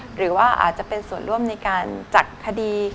หรือว่าอาจจะเป็นส่วนร่วมในการจัดคดี